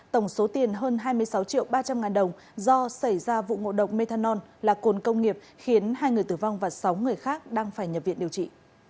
tổng số tiền hơn hai mươi sáu triệu ba trăm linh ngàn đồng do xảy ra vụ ngộ độc methanol là cồn công nghiệp khiến hai người tử vong và sáu người khác đang phải nhập viện điều trị